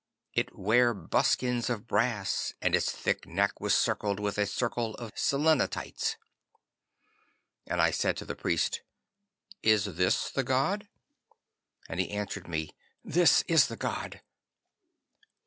It ware buskins of brass, and its thick neck was circled with a circle of selenites. 'And I said to the priest, "Is this the god?" 'And he answered me, "This is the god."